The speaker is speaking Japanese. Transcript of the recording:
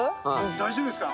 大丈夫ですか？